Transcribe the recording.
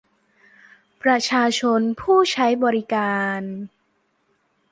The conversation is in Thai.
ประชาชนผู้ใช้บริการ